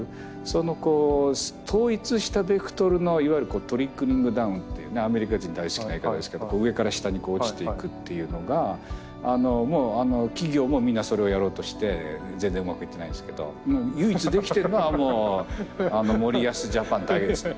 その統一したベクトルのいわゆるトリックリングダウンってアメリカ人大好きな言い方ですけど上から下に落ちていくっていうのが企業もみんなそれをやろうとして全然うまくいってないんですけど唯一できてるのは森保ジャパンだけですよ。